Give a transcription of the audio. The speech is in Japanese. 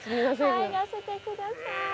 入らせてください。